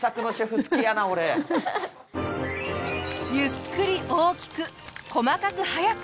ゆっくり大きく細かく早く。